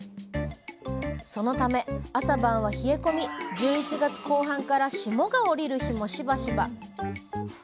そのため朝晩は冷え込み１１月後半から霜が降りる日もしばしば。